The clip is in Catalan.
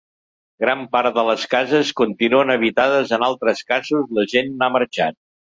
Gran part de les cases continuen habitades, en altres casos la gent n'ha marxat.